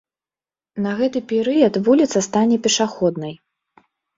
На гэты перыяд вуліца стане пешаходнай.